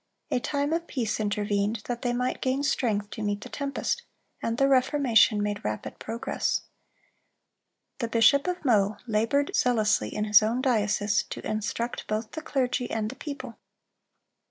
A time of peace intervened, that they might gain strength to meet the tempest; and the Reformation made rapid progress. The bishop of Meaux labored zealously in his own diocese to instruct both the clergy and the people.